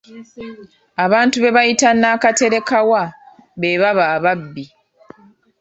Abantu be bayita nakaterekawa be baba ababbi.